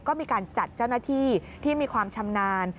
ก็มีการจัดเจ้าหน้าที่ที่มีความชำนาญ